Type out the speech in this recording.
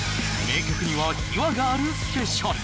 名曲には秘話があるスペシャル。